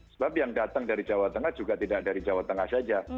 sebab yang datang dari jawa tengah juga tidak dari jawa tengah saja